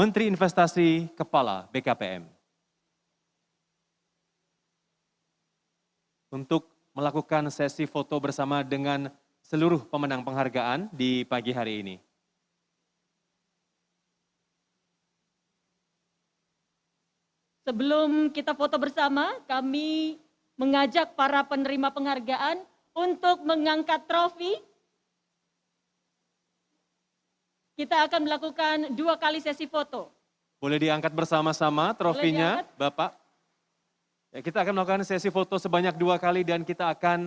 terbaik ketiga kementerian pekerjaan umum dan perumahan rakyat